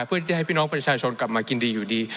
เพื่อจะให้พี่น้องประชาชนกลับมากินดีอยู่ดี